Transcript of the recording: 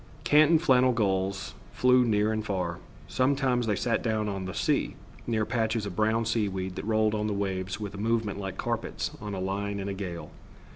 Canton flannel gulls flew near and far. Sometimes they sat down on the sea, near patches of brown seaweed that rolled on the waves with a movement like carpets on a line in a gale.